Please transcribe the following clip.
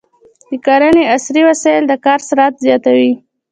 د کرنې عصري وسایل د کار سرعت زیاتوي.